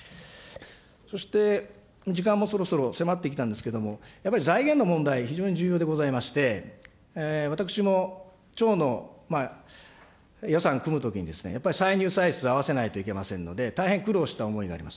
そして時間もそろそろ迫ってきたんですけれども、やっぱり財源の問題、非常に重要でございまして、私も、町の予算を組むときに、やっぱり歳入、歳出、合わせないといけませんので、大変苦労した思いがあります。